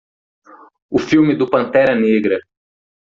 O filme do Pantera Negra.